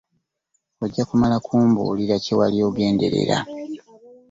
Ojja kumala kumbuulira kye wali ogenderera.